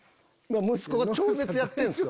息子が超絶やってんすよ。